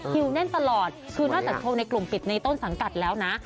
แน่นตลอดคือนอกจากโชว์ในกลุ่มปิดในต้นสังกัดแล้วนะ